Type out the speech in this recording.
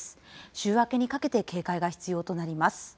週明けにかけて警戒が必要となります。